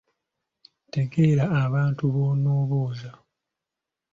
Tegeera abantu b’onoobuuza